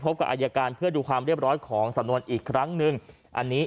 กับอายการเพื่อดูความเรียบร้อยของสำนวนอีกครั้งหนึ่งอันนี้